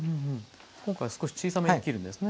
今回少し小さめに切るんですね。